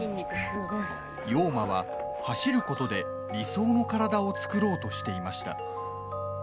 陽馬は走ることで理想の体を作ろうとしていました。